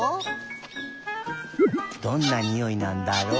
どんなにおいなんだろう。